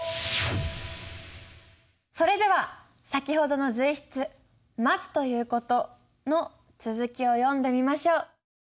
それでは先ほどの随筆「待つということ」の続きを読んでみましょう。